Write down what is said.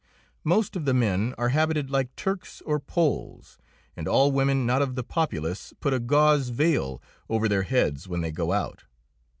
Most of the men are habited like Turks or Poles, and all women not of the populace put a gauze veil over their heads when they go out.